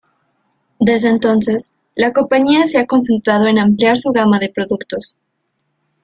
Desde entonces, la compañía se ha concentrado en ampliar su gama de productos.